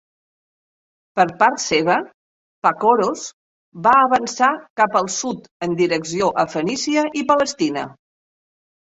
Per part seva, Pacoros va avançar cap al sud en direcció a Fenícia i Palestina.